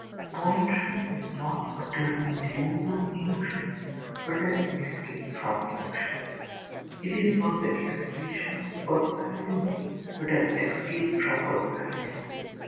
â Poetry is not a turning loose of emotion, but an escape from emotion; it is not the expression of personality, but an escape from personality.